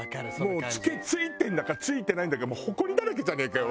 もうついてんだかついてないんだか「ほこりだらけじゃねえかよ！